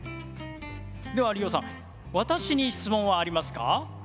では理央さん私に質問はありますか？